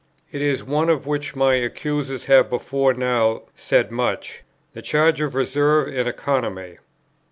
It is one of which my accusers have before now said much, the charge of reserve and economy.